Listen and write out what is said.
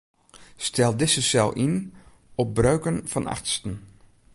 Stel dizze sel yn op breuken fan achtsten.